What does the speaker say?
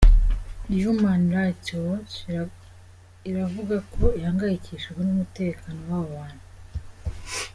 Human Rights Watch iravuga ko ihangayikishijwe n’umutekano w’abo bantu.